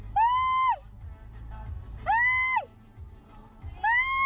พี่ช่วยด้วย